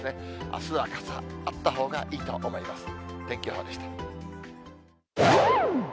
あすは傘、あったほうがいいと思います。